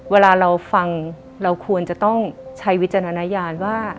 เวลาเราฟังเราควรจะต้องใช้วิจารณญาณว่า